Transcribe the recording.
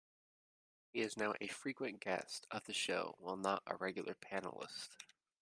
He is now a frequent guest of the show while not a regular panelist.